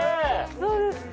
どうですか？